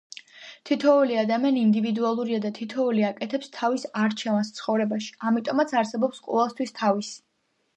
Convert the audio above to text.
თითოეული ადამიანი ინდივიდუალურია და თითოეული აკეთებს თავის არჩევანს ცხოვრებაში, ამიტომაც არსებობს ყველასთვის თავისი.